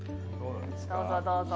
どうぞどうぞ。